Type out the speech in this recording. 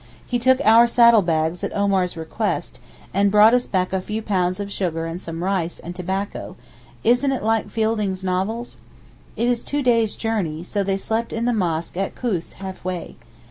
He took our saddle bags at Omar's request, and brought us back a few pounds of sugar and some rice and tobacco (isn't it like Fielding's novels?). It is two days' journey, so they slept in the mosque at Koos half way.